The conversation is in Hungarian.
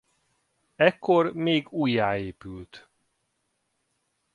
Ekkor még újjáépült.